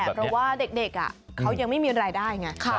เพราะว่าเด็กเขายังไม่มีรายได้ไง